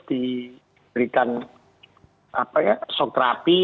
diberikan apa ya sok terapi